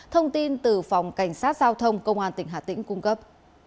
thông tin từ phòng cảnh sát giao thông công an tỉnh hà tĩnh cung cấp